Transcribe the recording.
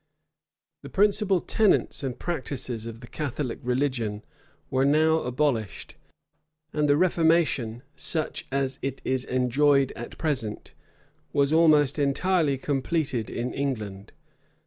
[] The principal tenets and practices of the Catholic religion were now abolished, and the reformation, such as it is enjoyed at present, was almost entirely completed in England.